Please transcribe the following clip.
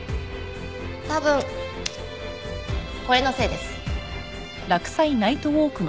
多分これのせいです。